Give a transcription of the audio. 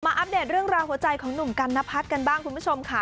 อัปเดตเรื่องราวหัวใจของหนุ่มกันนพัฒน์กันบ้างคุณผู้ชมค่ะ